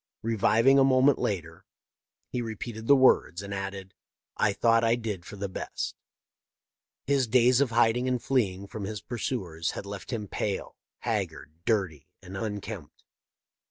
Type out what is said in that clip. Reviving a moment later he re 576 THE LIFE OF LINCOLN. peated the words, and added, " I thought I did for the best." " His days of hiding and fleeing from his pursuers had left him pale, haggard, dirty, and unkempt.